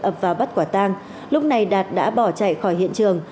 ập vào bắt quả tang lúc này đạt đã bỏ chạy khỏi hiện trường